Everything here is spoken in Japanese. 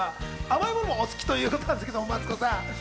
甘いものが大好きということですけど、マツコさん。